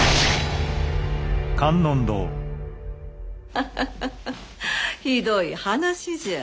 ハハハハひどい話じゃ。